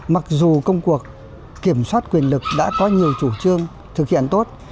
mặc dù công cuộc kiểm soát quyền lực đã có nhiều chủ trương thực hiện tốt